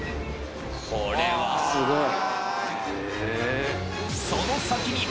これはすごい。